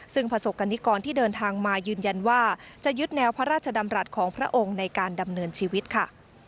ซึ่งประสบกรณิกรที่เดินทางมายืนยันว่าจะยึดแนวพระราชดำรัฐของพระองค์ในการดำเนินชีวิตค่ะ